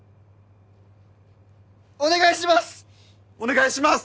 お願いします！